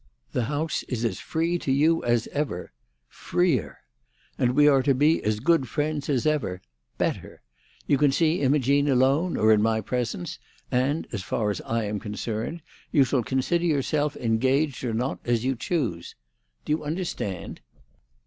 The house is as free to you as ever—freer. And we are to be as good friends as ever—better. You can see Imogene alone or in my presence, and, as far as I am concerned, you shall consider yourself engaged or not, as you choose. Do you understand?"